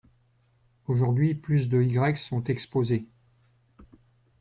Aujourd'hui plus de y sont exposés.